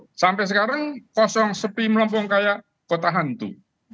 nah sampai sekarang kosong sepi melempong kayak kota hantu